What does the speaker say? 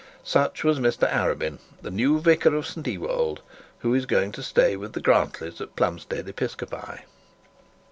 Such was Mr Arabin, the new vicar of St Ewold, who is going to stay with the Grantlys, at Plumstead Episcopi.